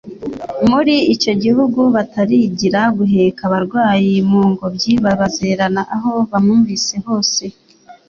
muri icyo gihugu batarigira guheka abarwayi mu ngobyi babazererana aho bamwumvise hose.